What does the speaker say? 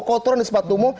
kotoran di sepatumu